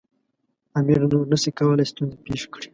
امیر نور نه شي کولای ستونزې پېښې کړي.